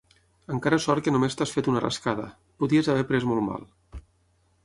Encara sort que només t'has fet una rascada. Podies haver pres molt mal.